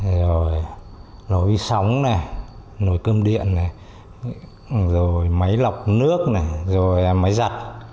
rồi máy lọc nước này rồi máy giặt